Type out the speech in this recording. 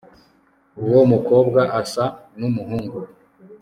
uwo mukobwa asa numuhungu